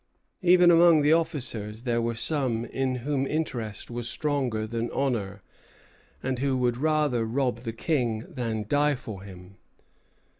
Even among the officers there were some in whom interest was stronger than honor, and who would rather rob the King than die for him.